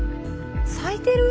咲いてる？